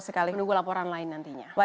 kita akan menunggu laporan lain nantinya